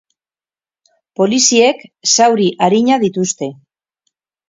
Poliziek zauri arinak dituzte.